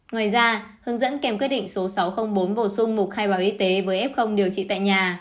ngoài ra hướng dẫn kèm quyết định số sáu trăm linh bốn bổ sung mục khai báo y tế với f điều trị tại nhà